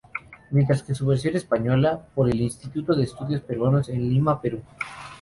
Mientras que su versión española, por el Instituto de Estudios Peruanos en Lima, Perú.